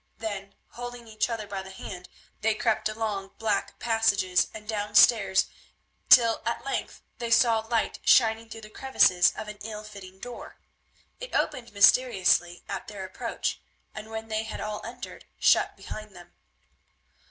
Then, holding each other by the hand, they crept along black passages and down stairs till at length they saw light shining through the crevices of an ill fitting door. It opened mysteriously at their approach, and when they had all entered, shut behind them.